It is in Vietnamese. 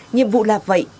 nhiệm vụ là vậy